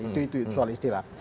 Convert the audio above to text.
itu soal istilah